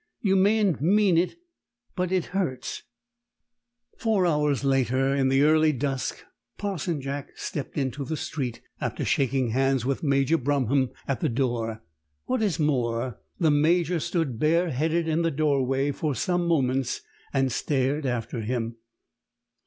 "You mayn't mean it, but it it hurts." Four hours later, in the early dusk, Parson Jack stepped into the street, after shaking hands with Major Bromham at the door. What is more, the Major stood bareheaded in the doorway for some moments, and stared after him.